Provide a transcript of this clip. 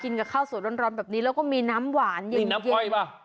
กินกับข้าวสวนร้อนแบบนี้แล้วก็มีน้ำหวานนี่น้ำอ้อยป่ะ